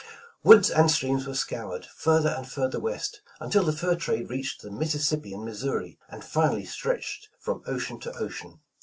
Woods and streams were scoured, further and further west, until the fur trade reached the Mississippi and Missouri, and finally stretched from ocean to ocean.